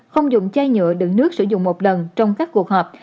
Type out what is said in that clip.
không dùng chai nhựa đựng nước sử dụng một lần trong các cuộc họp